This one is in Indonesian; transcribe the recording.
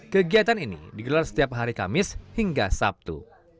kegiatan ini digelar setiap hari kamis hingga sabtu